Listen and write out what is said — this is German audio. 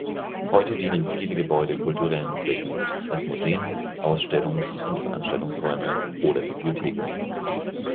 Heute dienen viele Gebäude kulturellen Zwecken, als Museen, Ausstellungs- und Veranstaltungsräume oder Bibliotheken.